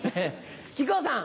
木久扇さん。